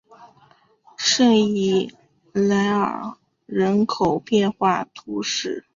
圣伊莱尔人口变化图示